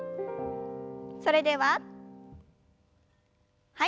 それでははい。